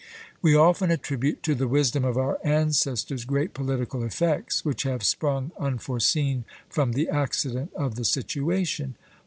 We often attribute to the wisdom of our ancestors great political effects which have sprung unforeseen from the accident of the situation.